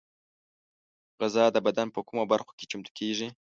غذا د بدن په کومو برخو کې چمتو کېږي؟